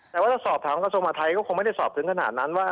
แต่ว่าถ้าสอบถามกระทรวงมหาทัยก็คงไม่ได้สอบถึงขนาดนั้นว่า